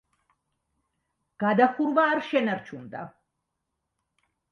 გადახურვა არ შენარჩუნდა.